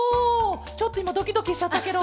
ちょっといまドキドキしちゃったケロ。